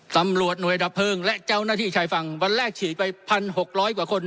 ตำรวจหน่วยดับเพลิงและเจ้าหน้าที่ชายฝั่งวันแรกฉีดไป๑๖๐๐กว่าคน